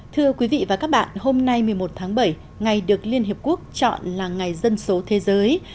thưa quý vị và các bạn hôm nay một mươi một tháng bảy ngày được liên hiệp quốc chọn là ngày dân số thế giới